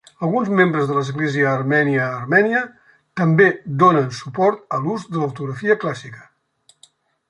Alguns membres de l'església armènia a Armènia també donen suport a l'ús de l'ortografia clàssica.